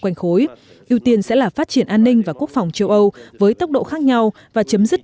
quanh khối ưu tiên sẽ là phát triển an ninh và quốc phòng châu âu với tốc độ khác nhau và chấm dứt